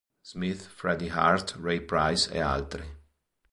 Smith, Freddie Hart, Ray Price e altri.